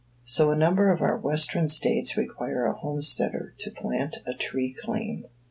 So a number of our Western States require a "homesteader" to plant a tree claim.